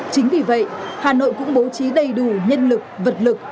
chính vì vậy hà nội cũng bố trí đầy đủ nhân lực vật lực